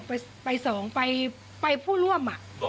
บอกเพศได้ไหมครับ